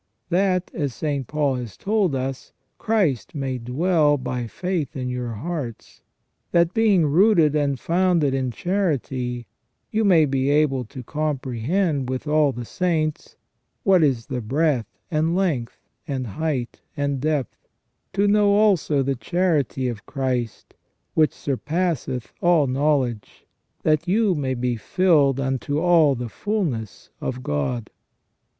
That, as St. Paul has told us, Christ may dwell by faith in your hearts, that being rooted and founded in charity, you may be able to comprehend, with all the saints, what is the breadth and length, and height and depth, to know also the charity of Christ, which surpasseth all knowledge, that you may be filled unto all the fulness of God